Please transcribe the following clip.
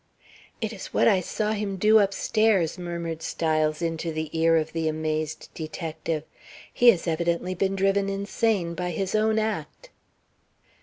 "It is what I saw him do upstairs," murmured Styles into the ear of the amazed detective. "He has evidently been driven insane by his own act."